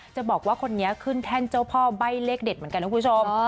จะบอกว่าคนนี้ขึ้นแท่นเจ้าพ่อใบ้เลขเด็ดเหมือนกันนะคุณผู้ชม